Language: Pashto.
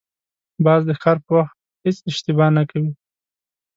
باز د ښکار په وخت هېڅ اشتباه نه کوي